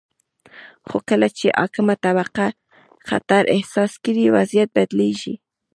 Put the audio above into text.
خو کله چې حاکمه طبقه خطر احساس کړي، وضعیت بدلیږي.